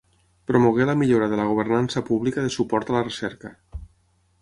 Promogué la millora de la governança pública de suport a la recerca.